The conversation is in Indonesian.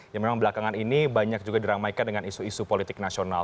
yang memang belakangan ini banyak juga diramaikan dengan isu isu politik nasional